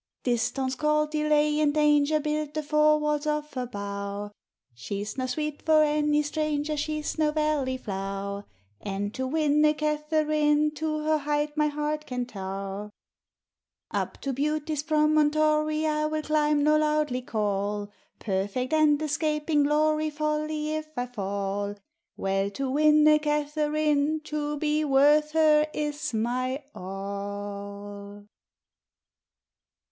Distaunce, cold, delay, and danger, Build the four walles of her bower; She's noe Sweete for any stranger, She's noe valley flower: And to winne Katheryn, To her height my heart can Tower! Uppe to Beautie's promontory I will climb, nor loudlie call Perfect and escaping glory Folly, if I fall: Well to winne Katheryn! To be worth her is my all.